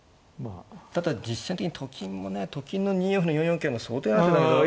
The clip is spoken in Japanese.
ただ実戦的にと金もねと金の２四歩の４四桂も相当嫌な手だけど。